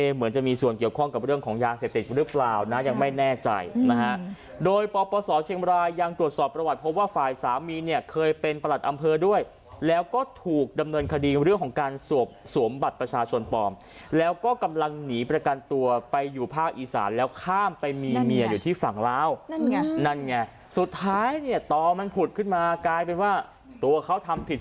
เหมือนจะมีส่วนเกี่ยวข้องกับเรื่องของยาเศษเต็จหรือเปล่า